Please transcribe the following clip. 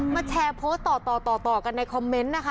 มาแชร์โพสต์ต่อกันในคอมเมนต์นะคะ